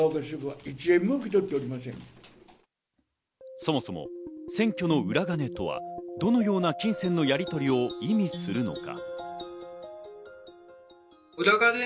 そもそも選挙の裏金とはどのような金銭のやりとりを意味するのか？